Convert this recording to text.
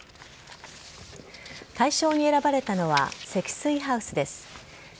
大賞に選ばれたのは、積水ハウスです。